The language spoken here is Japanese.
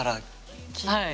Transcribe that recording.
はい。